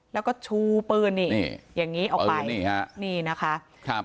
แล้วก็ชูปืนอย่างนี้ออกไปนี่นะคะ